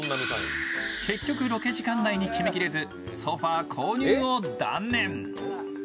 結局ロケ時間内に決めきれず、ソファー購入を断念。